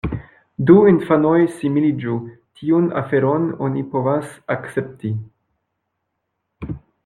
Du infanoj similiĝu, tiun aferon oni povas akcepti.